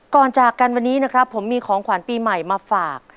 จากกันวันนี้นะครับผมมีของขวัญปีใหม่มาฝาก